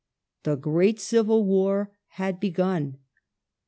The great Civil War had begun.